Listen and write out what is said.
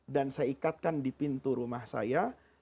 saya ikatkan di pintu rumah saya